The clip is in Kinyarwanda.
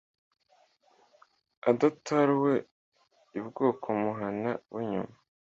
Adataruwe I bwoko muhana winyuma